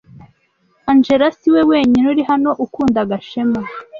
Angella siwe wenyine uri hano ukunda Gashema.